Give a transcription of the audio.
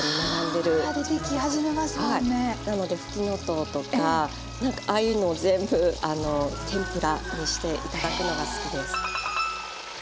なのでふきのとうとかなんかああいうのを全部天ぷらにしていただくのが好きです。